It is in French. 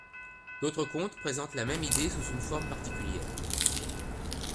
D'autres contes présentent la même idée sous une forme particulière.